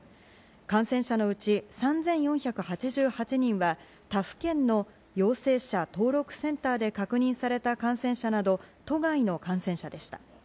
感染者のうち３４８８人は他府県の陽性者登録センターで確認された感染者など、都外の感染者でした。